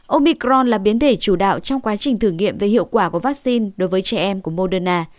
omicron là biến thể chủ đạo trong quá trình thử nghiệm về hiệu quả của vaccine đối với trẻ em của moderna